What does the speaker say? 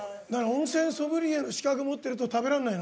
温泉ソムリエの資格を持ってると食べられないの？